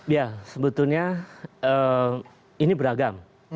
ya sebetulnya ini beragam